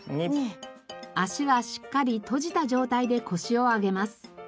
足はしっかり閉じた状態で腰を上げます。